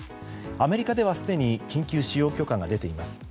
アメリカでは、すでに緊急使用許可が出ています。